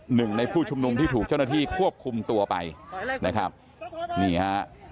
หนึ่งในผู้ชุมนุมที่ถูกเจ้าหน้าที่ควบคุมตัวไปนะครับนี่ฮะ